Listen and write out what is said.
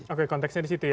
oke konteksnya di situ ya